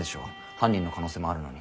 犯人の可能性もあるのに。